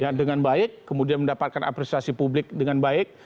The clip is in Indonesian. ya dengan baik kemudian mendapatkan apresiasi publik dengan baik